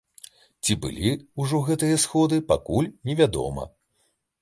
Ці былі ўжо гэтыя сходы, пакуль невядома.